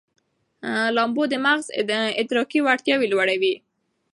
لامبو د مغز ادراکي وړتیاوې لوړوي.